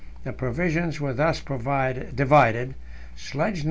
The provisions were thus divided. Sledge No.